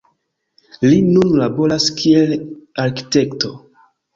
Li nun laboras kiel arkitekto.